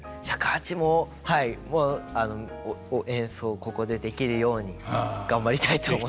尺八もはいもう演奏をここでできるように頑張りたいと思います。